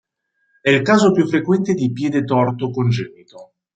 È il caso più frequente di piede torto congenito.